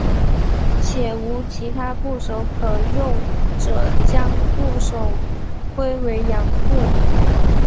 且无其他部首可用者将部首归为羊部。